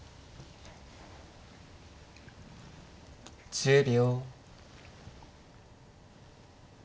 １０秒。